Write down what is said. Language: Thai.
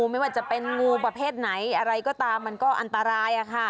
ไม่ว่าจะเป็นงูประเภทไหนอะไรก็ตามมันก็อันตราย